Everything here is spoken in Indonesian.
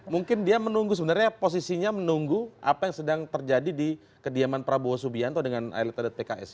mungkin dia menunggu sebenarnya posisinya menunggu apa yang sedang terjadi di kediaman prabowo subianto dengan elit elit pks